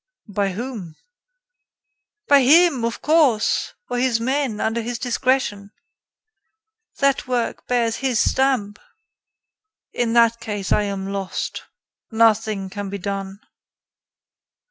"By whom?" "By him, of course, or his men under his discretion. That work bears his stamp." "In that case, I am lost nothing can be done."